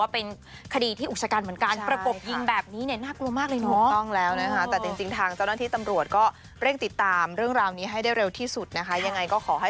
เป็นกำลังใจให้บ่าวีด้วยเนาะ